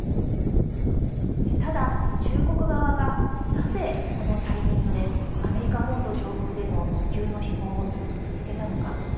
ただ、中国側がなぜこのタイミングでアメリカ本土上空での気球の飛行を続けたのか。